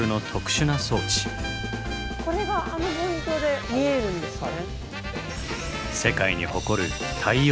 これがあの望遠鏡で見えるんですね。